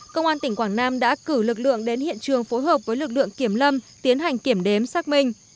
công an tỉnh quảng nam đã cử lực lượng đến hiện trường phối hợp với lực lượng kiểm lâm tiến hành kiểm đếm xác minh